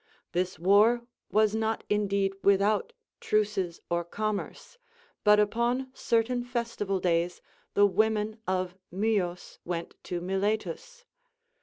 This war Avas not indeed without truces or commerce, but upon cer tain festival days the women of Myus went to Miletus.